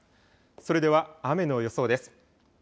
それでは雨の予想です。